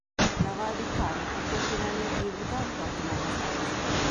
Laval-du-Tarn a történelmi Gévaudan tartományhoz tartozott.